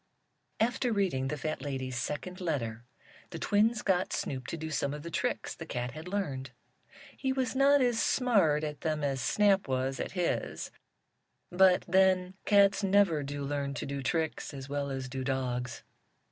After reading the fat lady's second letter the twins got Snoop to do some of the tricks the cat had learned. He was not as smart at them as Snap was at his, but then cats never do learn to do tricks as well as do dogs.